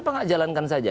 kalau tidak jalankan saja